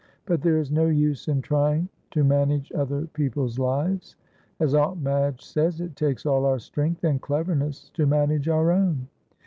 But there is no use in trying to manage other people's lives. As Aunt Madge says, it takes all our strength and cleverness to manage our own.